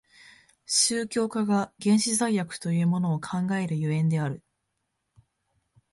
宗教家が原始罪悪というものを考える所以である。